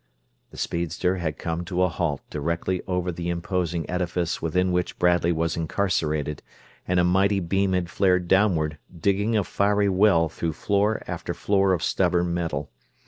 The speedster had come to a halt directly over the imposing edifice within which Bradley was incarcerated, and a mighty beam had flared downward, digging a fiery well through floor after floor of stubborn metal.